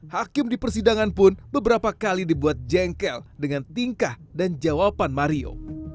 hakim di persidangan pun beberapa kali dibuat jengkel dengan tingkah dan jawaban mario